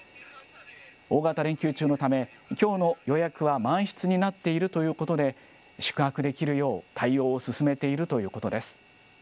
大型連休中のため、きょうの予約は満室になっているということで、宿泊できるよう対応を進めているということです。